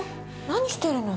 何してるの？